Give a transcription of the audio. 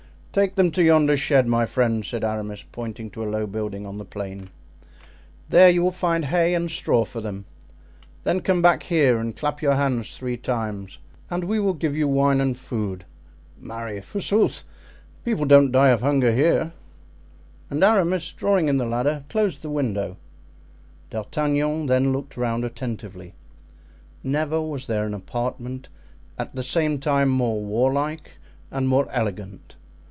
"Take them to yonder shed, my friend," said Aramis, pointing to a low building on the plain; "there you will find hay and straw for them; then come back here and clap your hands three times, and we will give you wine and food. Marry, forsooth, people don't die of hunger here." And Aramis, drawing in the ladder, closed the window. D'Artagnan then looked around attentively. Never was there an apartment at the same time more warlike and more elegant.